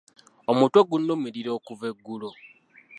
Omutwe gunnumirira okuva eggulo.